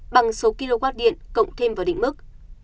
bằng số kw điện cộng thêm vào định mức